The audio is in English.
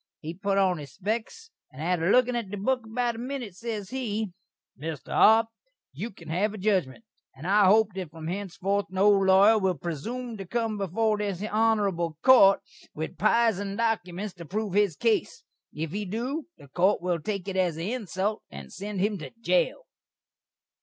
He put on his speks, and atter lookin' at the book about a minit, ses he: "Mr. Arp, you can have a judgment, and I hope that from hensefourth no lawyer will presoom to cum before this honerabul court with pisen dokyments to proove his case. If he do, this court will take it as an insult, and send him to jail."